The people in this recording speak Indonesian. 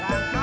gak ada de